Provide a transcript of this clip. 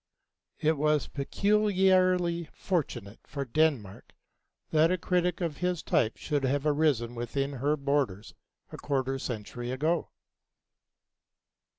It was peculiarly fortunate for Denmark that a critic of this type should have arisen within her borders a quarter century ago.